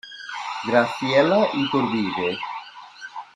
Graciela Iturbide.